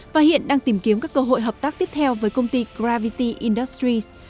và hiện đang tìm kiếm các cơ hội hợp tác tiếp theo với công ty gravity industries